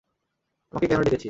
আমাকে কেন ডেকেছিস?